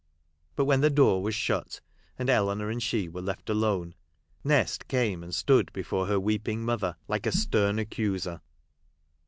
But when the door was shut, and Eleanor and she were left alone, Nest came and stood before her weeping mother like a stern accuser.